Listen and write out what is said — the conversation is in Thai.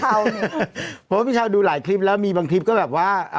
เพราะว่าพี่ชาวดูหลายคลิปแล้วมีบางคลิปก็แบบว่า